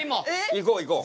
行こう行こう。